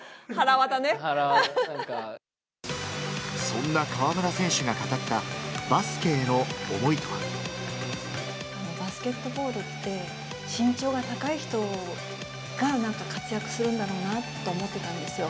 そんな河村選手が語った、バスケットボールって、身長が高い人がなんか活躍するんだろうなと思ってたんですよ。